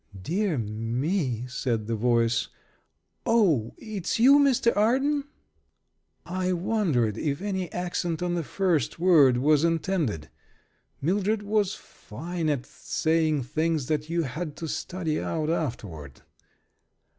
"Dear me," said the voice. "Oh, it's you, Mr. Arden!" I wondered if any accent on the first word was intended; Mildred was fine at saying things that you had to study out afterward.